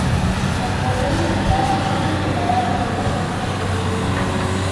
El poder militar es inseparable de la fuerza económica.